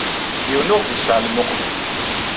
Yiwen ur ɣ-d-isseɛlem uqbel.